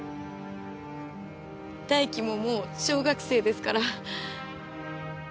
大樹ももう小学生ですから。